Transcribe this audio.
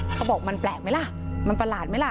เขาบอกมันแปลกมั้ยล่ะมันประหลาดมั้ยล่ะ